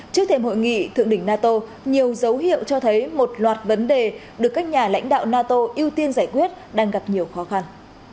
trước thêm hội nghị thượng đỉnh nato nhiều dấu hiệu cho thấy một loạt vấn đề được các nhà lãnh đạo nato ưu tiên giải quyết đang gặp nhiều khó khăn